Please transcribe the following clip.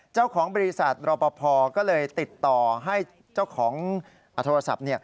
เจ้าของบริษัทรอปภก็เลยติดต่อให้เจ้าของโทรศัพท์